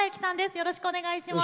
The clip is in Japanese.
よろしくお願いします。